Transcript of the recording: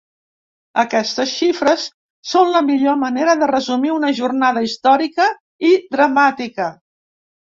Aquestes xifres són la millor manera de resumir una jornada històrica i dramàtica.